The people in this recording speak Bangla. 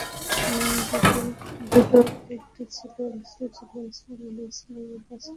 দুটোর একটি ছিল রাসূল সাল্লাল্লাহু আলাইহি ওয়াসাল্লাম-এর কাছে।